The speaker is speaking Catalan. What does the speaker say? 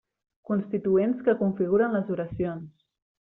Constituents que configuren les oracions.